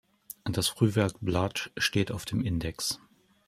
Das Frühwerk "Blood" steht auf dem Index.